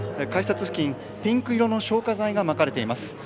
改札付近、ピンク色の消化剤がまかれています。